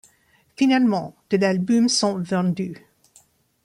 Finalement, de l'album sont vendus.